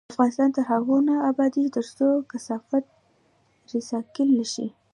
افغانستان تر هغو نه ابادیږي، ترڅو کثافات ریسایکل نشي.